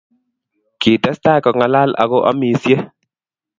kitestai kongalal ako amisie